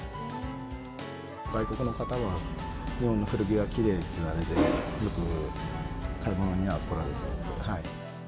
外国の方は、日本の古着はきれいといわれて、よく買い物には来られています。